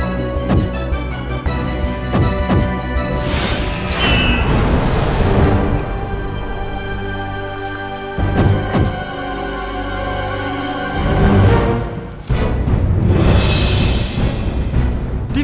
aku akan menang